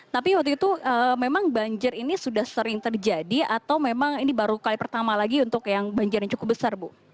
tapi waktu itu memang banjir ini sudah sering terjadi atau memang ini baru kali pertama lagi untuk yang banjir yang cukup besar bu